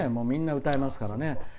みんな歌えますからね。